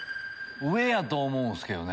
上やと思うんすけどね